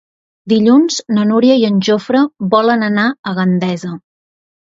Dilluns na Núria i en Jofre volen anar a Gandesa.